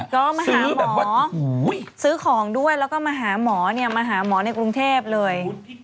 ก็มาหาหมอซื้อของด้วยแล้วก็มาหาหมอในกรุงเทพฯเลย